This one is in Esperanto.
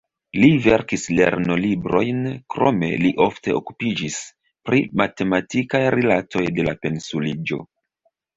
Li verkis lernolibrojn, krome li ofte okupiĝis pri matematikaj rilatoj de la pensiuliĝo.